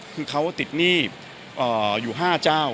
คือเขาติดหนี้อยู่๕เจ้า